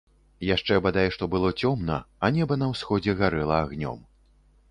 Яшчэ бадай што было цёмна, а неба на ўсходзе гарэла агнём.